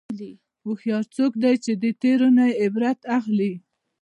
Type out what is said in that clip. هوښیار څوک دی چې د تېرو نه عبرت اخلي.